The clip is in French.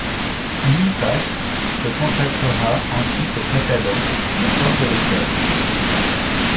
Louis Pastre se consacrera ensuite au catalan mais hors de l'école.